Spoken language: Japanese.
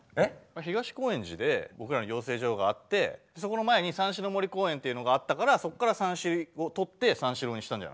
東高円寺で僕らの養成所があってそこの前に蚕糸の森公園っていうのがあったからそっから「さんし」をとって三四郎にしたんじゃない？